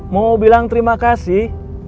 mau bilang terima kasih